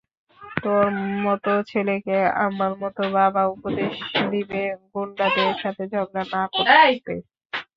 তোর মতো ছেলেকে আমার মতো বাবা উপদেশ দিবে গুন্ডাদের সাথে ঝগড়া না করতে।